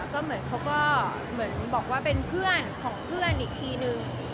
ก็เหมือนเขาก็เหมือนบอกว่าเป็นเพื่อนของเพื่อนอีกทีนึง